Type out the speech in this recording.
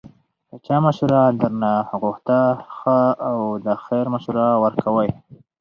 که چا مشوره درنه غوښته، ښه او د خیر مشوره ورکوئ